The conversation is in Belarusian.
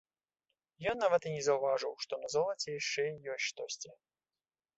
Ён нават і не заўважыў, што на золаце яшчэ ёсць штосьці.